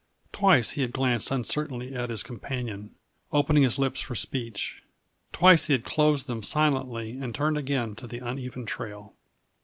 Twice he had glanced uncertainly at his companion, opening his lips for speech; twice he had closed them silently and turned again to the uneven trail.